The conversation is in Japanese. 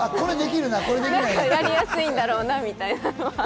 これ、やりやすいんだろうなみたいな。